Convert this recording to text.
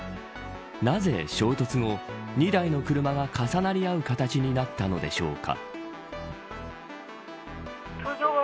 なぜ衝突後２台の車が重なり合う形になったのでしょうか。